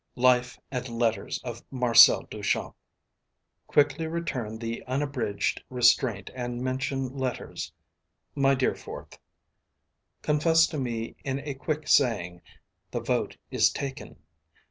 Life and letters of Marcel Duchamp. Quickly return the unabridged restraint and mention letters. My dear Fourth. Confess to me in a quick saying. The vote is taken.